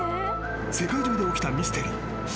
世界中で起きたミステリー。